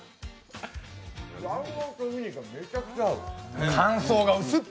卵黄とうにがめちゃくちゃ合う！